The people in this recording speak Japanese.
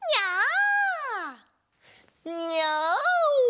ニャオ！